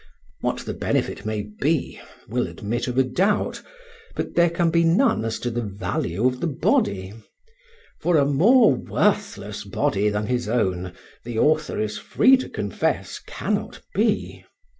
What the benefit may be will admit of a doubt, but there can be none as to the value of the body; for a more worthless body than his own the author is free to confess cannot be.